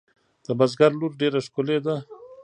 د بزگر لور ډېره ښکلې ده.